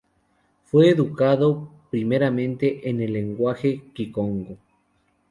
Fue educado primeramente en el lenguaje kikongo.